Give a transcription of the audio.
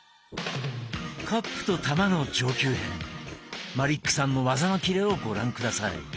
カップと玉の上級編マリックさんの技のキレをご覧下さい。